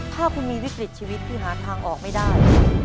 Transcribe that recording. ถ้าคุณมีวิกฤตชีวิตที่หาทางออกไม่ได้